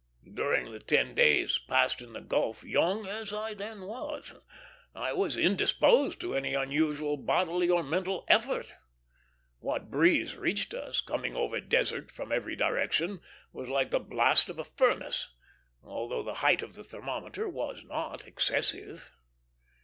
During the ten days passed in the gulf, young as I then was, I was indisposed to any unusual bodily or mental effort. What breeze reached us, coming over desert from every direction, was like the blast of a furnace, although the height of the thermometer was not excessive.